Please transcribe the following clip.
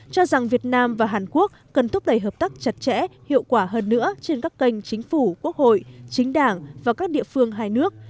cho rằng việt nam và hàn quốc cần thúc đẩy hợp tác chặt chẽ hiệu quả hơn nữa trên các kênh chính phủ quốc hội chính đảng và các địa phương hai nước